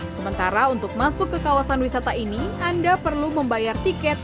sementara untuk masuk ke kawasan wisata ini anda perlu membayar tiket rp dua puluh lima